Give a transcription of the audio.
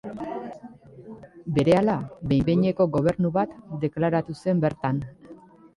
Berehala behin-behineko gobernu bat deklaratu zen bertan.